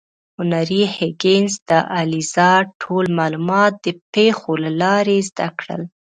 هنري هیګینز د الیزا ټول معلومات د پیښو له لارې زده کړل.